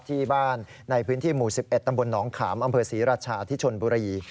ที่บ้านในพื้นที่หมู่๑๑ตำบลหนองขามอำเภอศรีราชาที่ชนบุรี